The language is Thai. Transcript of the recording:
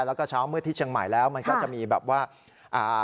แล้วก็เช้ามืดที่เชียงใหม่แล้วมันก็จะมีแบบว่าอ่า